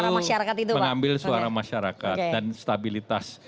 jadi golkar tentu mengambil suara masyarakat dan stabilitas